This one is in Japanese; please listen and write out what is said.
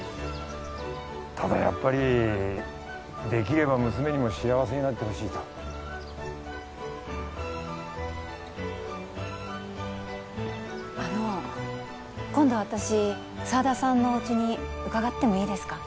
ただやっぱりできれば娘にも幸せになってほしいとあの今度私沢田さんのおうちに伺ってもいいですか？